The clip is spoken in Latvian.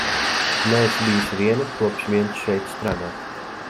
Tu neesi bijusi viena, kopš vien šeit strādā.